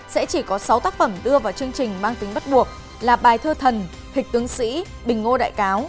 sẽ chỉ có sáu tác phẩm đưa vào chương trình mang tính bắt buộc là bài thơ thần hịch tướng sĩ bình ngô đại cáo